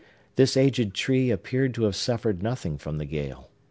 This aged tree appeared to have suffered nothing from the gale.